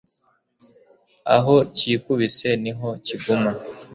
aho kikubise ni ho kiguma